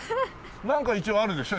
なんか一応あるでしょ？